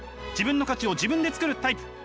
自分の価値を自分で作るタイプ。